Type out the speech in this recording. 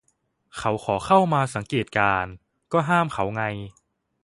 เขาขอเข้ามาสังเกตการณ์ ก็ห้ามเขาไง